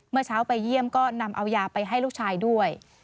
เมื่อเช้าไปเยี่ยมก็นำเอายาไปให้ลูกชายด้วย